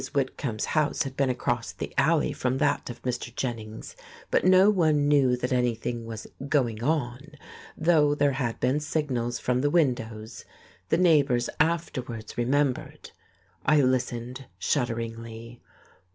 Whitcomb's house had been across the alley from that of Mr. Jennings, but no one knew that anything was "going on," though there had been signals from the windows the neighbours afterwards remembered.... I listened shudderingly.